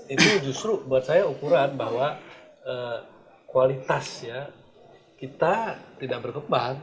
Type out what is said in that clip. itu justru buat saya ukuran bahwa kualitas ya kita tidak berkembang